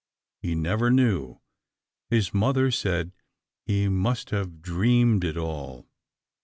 He never knew. His mother said he must have dreamed it all.